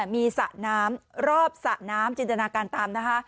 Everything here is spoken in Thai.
มีศพน้ำรอบศพน้ำจินดนาการตามนะคะ